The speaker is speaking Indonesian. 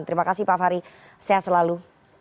terima kasih pak fahri sehat selalu